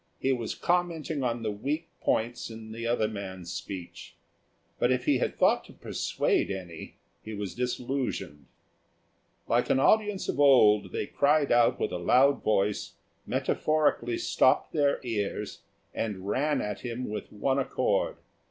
He was commenting on the weak points in the other man's speech. But if he had thought to persuade any, he was disillusioned. Like an audience of old, they cried out with a loud voice, metaphorically stopped their ears, and ran at him with one accord.